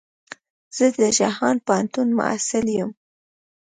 زه د جهان پوهنتون محصل يم.